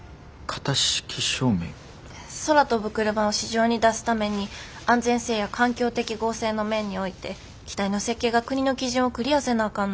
空飛ぶクルマを市場に出すために安全性や環境適合性の面において機体の設計が国の基準をクリアせなあかんのよ。